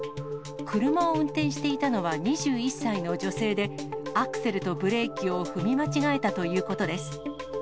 車を運転していたのは２１歳の女性で、アクセルとブレーキを踏み間違えたということです。